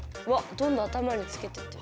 どんどん頭につけてってる。